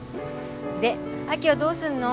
で亜紀はどうすんの？